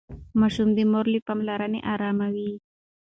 ماشوم د مور له پاملرنې ارام وي.